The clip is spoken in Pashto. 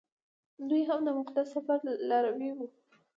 دوی هم د مقدس سفر لاروي وو.